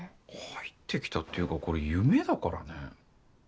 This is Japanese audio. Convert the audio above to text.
入ってきたっていうかこれ夢だからね。